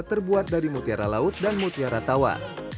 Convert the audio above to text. terbuat dari mutiara laut dan mutiara tawa